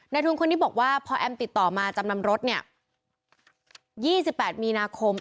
ในทุนคุณที่บอกว่าพอแอมติดต่อมาจำนำรถเนี้ยยี่สิบแปดมีนาคม